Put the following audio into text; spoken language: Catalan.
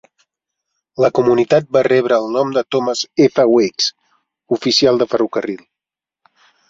La comunitat va rebre el nom de Thomas F. Oakes, oficial de ferrocarril.